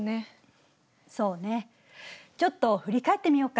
そうねちょっと振り返ってみようか。